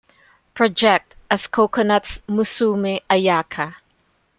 Project as Coconuts Musume Ayaka.